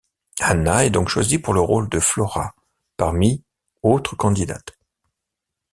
Anna est donc choisie pour le rôle de Flora parmi autres candidates.